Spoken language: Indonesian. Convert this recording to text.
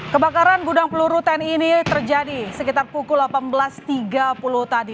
kebakaran gudang peluru tni ini terjadi sekitar pukul delapan belas tiga puluh tadi